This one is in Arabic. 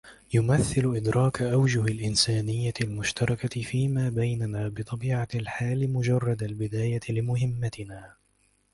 يمثل إدراك أوجه الإنسانية المشتركة فيما بيننا بطبيعة الحال مجرد البداية لمهمتنا.